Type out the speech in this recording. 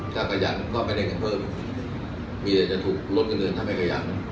ถ้าขยันก็ไปเล่นกันเพิ่มมีเดี๋ยวจะถูกลดเงินถ้าไม่ขยัน